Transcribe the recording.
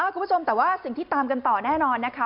คุณผู้ชมแต่ว่าสิ่งที่ตามกันต่อแน่นอนนะคะ